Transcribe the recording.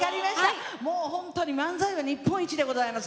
もう本当に漫才は日本一でございます。